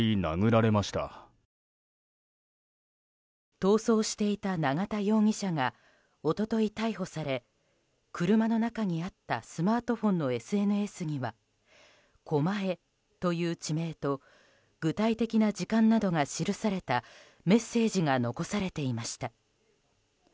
逃走していた永田容疑者が一昨日、逮捕され車の中にあったスマートフォンのＳＮＳには狛江という地名と具体的な時間などが記されたメッセージが残されていました。